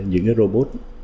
những cái robot